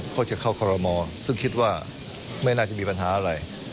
ก็จะเข้าคอรมอซึ่งคิดว่าไม่น่าจะมีปัญหาอะไร